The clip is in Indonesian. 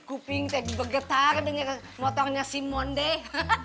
kuping tuh bergetar denger motornya simone deh